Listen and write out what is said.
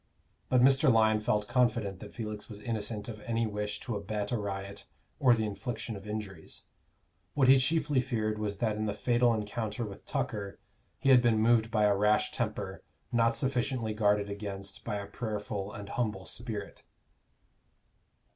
But Mr. Lyon felt confident that Felix was innocent of any wish to abet a riot or the infliction of injuries; what he chiefly feared was that in the fatal encounter with Tucker he had been moved by a rash temper, not sufficiently guarded against by a prayerful and humble spirit.